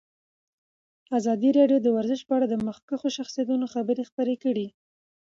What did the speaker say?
ازادي راډیو د ورزش په اړه د مخکښو شخصیتونو خبرې خپرې کړي.